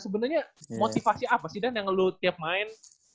sebenarnya motivasi apa sih dan yang lu tiap main